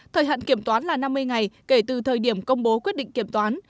thời hạn kiểm toán là năm mươi ngày kể từ thời điểm công bố quyết định kiểm toán